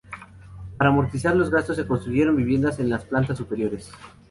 Para amortizar los gastos se construyeron viviendas en las plantas superiores.